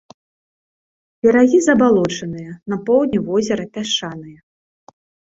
Берагі забалочаныя, на поўдні возера пясчаныя.